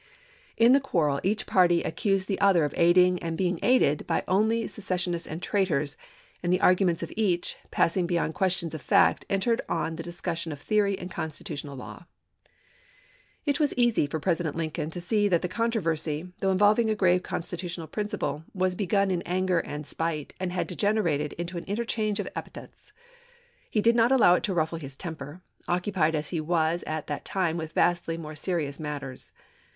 In the quarrel each party accused the other of aiding and being aided by only secession ists and traitors, and the argument of each, passing beyond questions of fact, entered on the discussion of theory and constitutional law. It was easy for President Lincoln to see that the controversy, though involving a grave constitu tional principle, was begun in anger and spite, and had degenerated into an interchange of epithets. He did not allow it to ruffle his temper, occupied as he was at the time with vastly more serious matters.